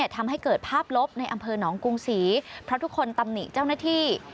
ทำให้เกิดภาพลบในอำเภอหนองกรุงศรีเพราะทุกคนตำหนิเจ้าหน้าที่